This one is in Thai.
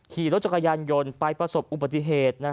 ขี่รถจักรยานยนต์ไปประสบอุบัติเหตุ